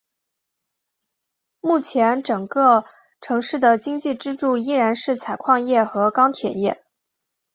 目前整个城市的经济支柱依然是采矿业和钢铁业。